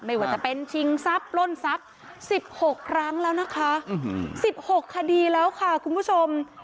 ไม่ว่าจะเป็นชิงทรัพย์ปล้นทรัพย์๑๖ครั้งแล้วนะคะ๑๖คดีแล้วค่ะคุณผู้ชม